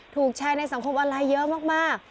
ถูกแชร์ในสังคมออนไลน์เยอะมาก